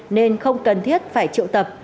nên không cần thiết phải triệu tập